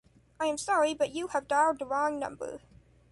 I am sorry, but you have dialed the wrong number.